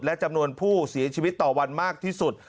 และจำนวนผู้เสียชีวิตต่อวันมากที่สุด